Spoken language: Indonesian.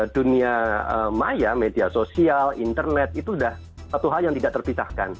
dunia maya media sosial internet itu sudah satu hal yang tidak terpisahkan